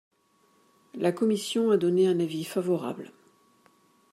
La commission a donné un avis favorable.